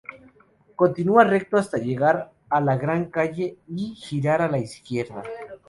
Continuar recto hasta llegar a la gran calle y girar a la izquierda.